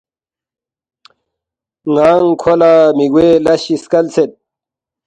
ن٘انگ کھو لہ مِہ گوے لس چِی سکلید،